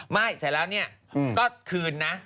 ไม่เสร็จแล้วเนี่ยก็คืนนะ